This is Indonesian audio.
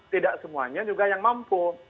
tidak semuanya juga yang mampu